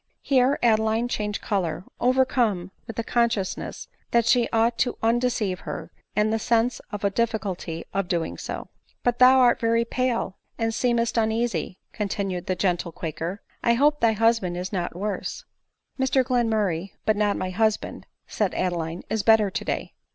Here Adeline changed color, overcome with the con sciousness that she ought to undeceive her, and the sense of the difficulty of doing so. " But thou art very pale, and seemest uneasy," con tinued theigentle quaker —" I hope thy husband is not worse." •" Mr Glenmurray, but not my husband," said Adeline, "is better to 'day."